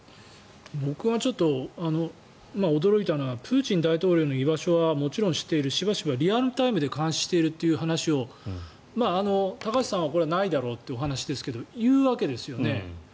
僕は驚いたのはプーチン大統領の居場所はもちろん知っているしばしばリアルタイムで監視しているという話を高橋さんはないだろうってお話でしたけど言うわけですよね。